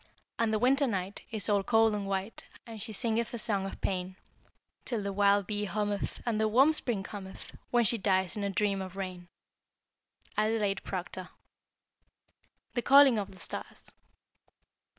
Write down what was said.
And the Winter night Is all cold and white, And she singeth a song of pain; Till the wild bee hummeth, And the warm spring cometh, When she dies in a dream of rain! Adelaide Proctor. THE CALLING OF THE STARS.